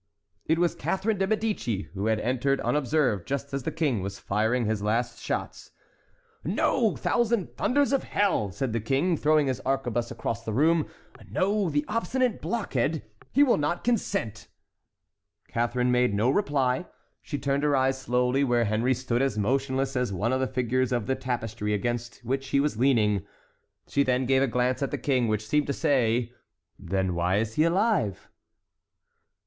It was Catharine de Médicis, who had entered unobserved just as the King was firing his last shot. "No, thousand thunders of hell!" said the King, throwing his arquebuse across the room. "No, the obstinate blockhead—he will not consent!" Catharine made no reply. She turned her eyes slowly where Henry stood as motionless as one of the figures of the tapestry against which he was leaning. She then gave a glance at the King, which seemed to say: "Then why he is alive?"